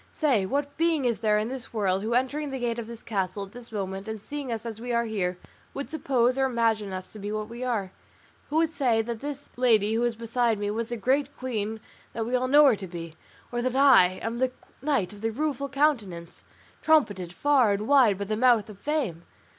Say, what being is there in this world, who entering the gate of this castle at this moment, and seeing us as we are here, would suppose or imagine us to be what we are? Who would say that this lady who is beside me was the great queen that we all know her to be, or that I am that Knight of the Rueful Countenance, trumpeted far and wide by the mouth of Fame?